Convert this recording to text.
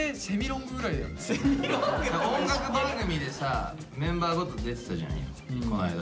音楽番組でさメンバーごと出てたじゃないこの間。